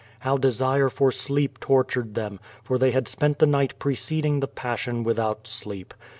How desire for slrep tortured them, for they had spent the night preceding the Passion without sleep.